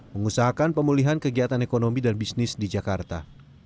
mengusahakan pemulihan kegiatan ekonomi dan bisnis di jakarta